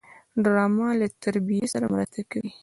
ډرامه له تربیې سره مرسته کوي